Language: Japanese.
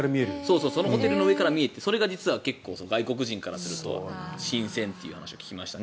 そのホテルの上から見てそれが結構外国人からすると新鮮というのを聞きました。